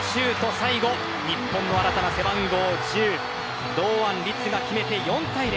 最後、日本の新たな背番号１０堂安律が決めて４対０。